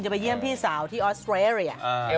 ไปเยี่ยมพี่สาวที่ออสเตรเลีย